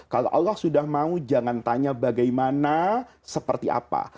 kalau allah sudah mau jangan tanya bagaimana seperti apa